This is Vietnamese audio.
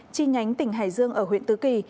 chi nhánh tỉnh hải dương ở huyện tứ kỳ